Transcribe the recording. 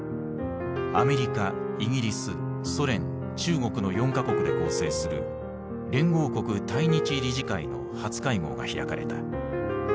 アメリカイギリスソ連中国の４か国で構成する連合国対日理事会の初会合が開かれた。